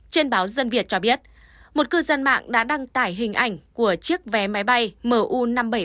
trên báo dân việt cho biết một cư dân mạng đã đăng tải hình ảnh của chiếc vé máy bay mu năm nghìn bảy trăm ba mươi năm